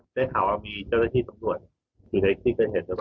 ได้ข่าวว่ามีเจ้าที่ตรวจอยู่ในที่เกิดเห็นหรือเปล่า